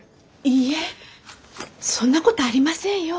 いいえそんなことありませんよ